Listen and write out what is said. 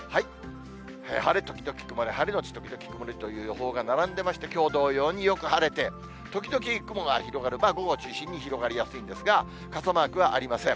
晴れ時々曇り、晴れ後時々曇りという予報が並んでまして、きょう同様によく晴れて、時々雲が広がる、まあ、午後を中心に広がりやすいんですが、傘マークはありません。